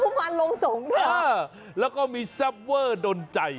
ฮนุมานลงสงฆ์เหรออ่าแล้วก็มีแซ่บเวอร์ดนใจ